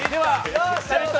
ラヴィット！